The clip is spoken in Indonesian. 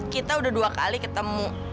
kita udah dua kali ketemu